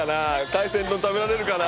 海鮮丼食べられるかな？